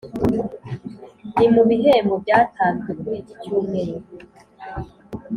Ni mu bihembo byatanzwe kuri iki Cyumweru